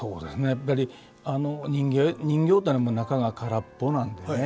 やっぱり人形っていうのは中が空っぽなんでね